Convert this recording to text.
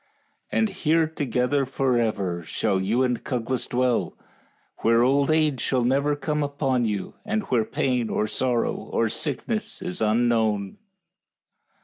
And here together forever shall you and Cuglas dwell, where old age shall never come upon you, and where pain or sorrow or sickness is unknown."